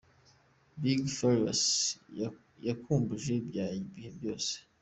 Big Farious yakumbuje bya bihe benshi:.